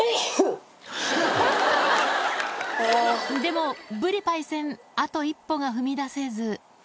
でも、ぶりパイセン、あと一歩が踏み出せず。